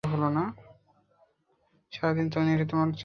সারাদিন নেটে তোমার চ্যাটিং করা তো হলো না।